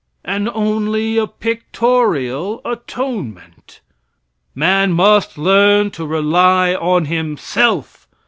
And only a pictorial atonement! Man must learn to rely on himself.